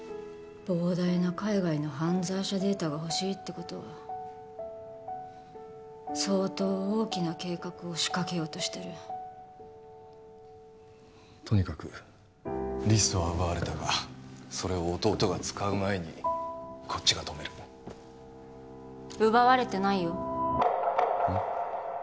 膨大な海外の犯罪者データが欲しいってことは相当大きな計画を仕掛けようとしてるとにかくリストは奪われたがそれを弟が使う前にこっちが止める奪われてないよえっ？